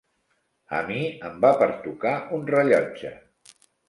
A mi em va pertocar un rellotge.